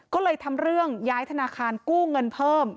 ก็เลยทำเรื่องย้ายธนาคารกู้เงินเพิ่ม